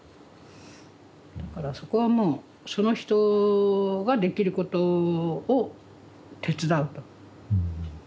だからそこはもうその人ができることを手伝うと。